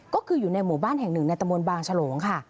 ก็คืออยู่ในหมู่บ้านแห่งหนึ่งในตะมนต์บางฉลงค่ะ